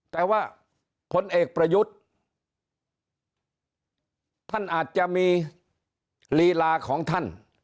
แต่ว่าผลเอกประยุทธ์ท่านอาจจะมีลีลาของท่าน